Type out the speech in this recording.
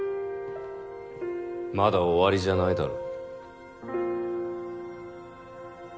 まだ終わりじゃないだろ。